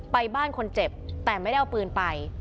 บ้านคนเจ็บแต่ไม่ได้เอาปืนไป